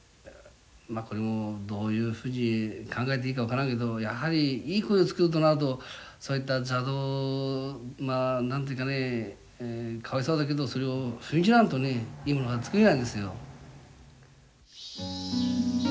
まあこれもどういうふうに考えていいか分からんけどやはりいい鯉を作るとなるとそういったまあ何と言うかねかわいそうだけどそれを踏み切らんとねいいものは作れないですよ。